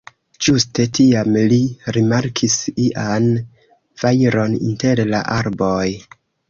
Ĝuste tiam li rimarkis ian fajron inter la arboj.